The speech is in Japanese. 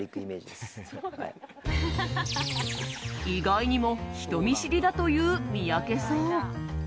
意外にも人見知りだという三宅さん。